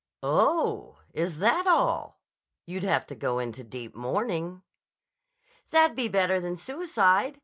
"Oh! Is that all! You'd have to go into deep mourning." "That'd be better than suicide.